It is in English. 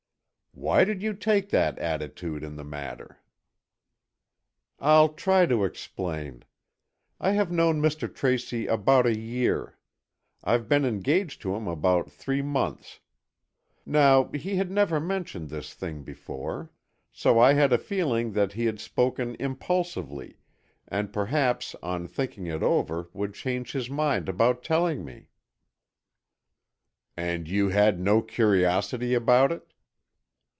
"Why did you take that attitude in the matter?" "I'll try to explain. I have known Mr. Tracy about a year. I've been engaged to him about three months. Now, he had never mentioned this thing before. So I had a feeling that he had spoken impulsively, and perhaps on thinking it over would change his mind about telling me." "And you had no curiosity about it?"